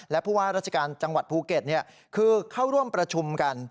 และผู้ว่าราชการจังหวัดภูเก็ตคือเข้าร่วมประชุมกัน